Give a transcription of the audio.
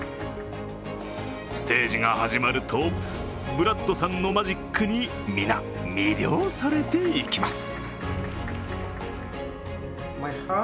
ステージが始まるとブラッドさんのマジックに皆、魅了されていきます。